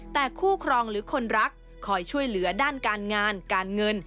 แต่คู่ครองหรือคนรักคอยช่วยเหลือด้านการงานการเงิน